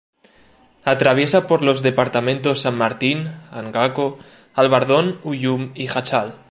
Atraviesa por los departamentos San Martín, Angaco, Albardón, Ullum y Jáchal.